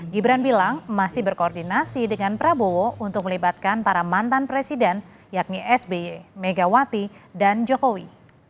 gibran bilang masih berkoordinasi dengan prabowo untuk melibatkan para mantan presiden yakni sby megawati dan jokowi